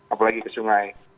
apalagi ke sungai